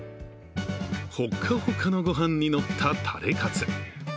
ほかほかの御飯にのったタレかつ。